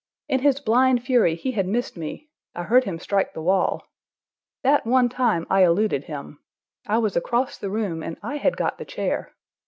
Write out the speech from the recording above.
In his blind fury he had missed me; I heard him strike the wall. That one time I eluded him; I was across the room, and I had got the chair.